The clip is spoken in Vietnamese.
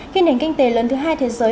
khi nền kinh tế lần thứ hai thế giới